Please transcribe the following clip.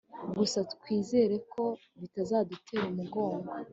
gusa twizere ko bitazadutera umugongo